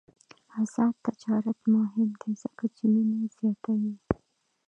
آزاد تجارت مهم دی ځکه چې مینه زیاتوي.